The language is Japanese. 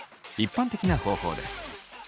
一般的な方法です。